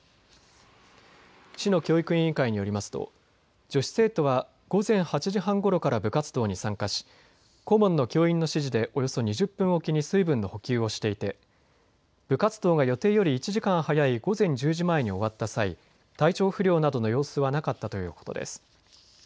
市の教育委員会によりますと女子生徒は午前８時半ごろから部活動に参加し顧問の教員の指示でおよそ２０分おきに水分の補給をしていて部活動が予定より１時間早い午前１０時前に終わった際、体調不良などの様子はなかったということです。